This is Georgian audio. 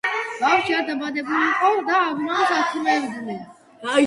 ბავშვი არ დაბადებულიყო და აბრამს არქმევდნენო.